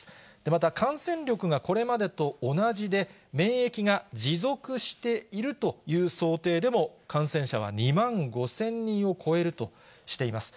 また感染力がこれまでと同じで、免疫が持続しているという想定でも感染者は２万５０００人を超えるとしています。